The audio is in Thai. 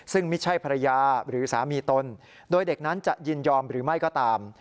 ซึ่งไม่ใช่ภรรยาหรือสามีตนโดยเด็กนั้นจะยินยอมหรือไม่ก็ตาม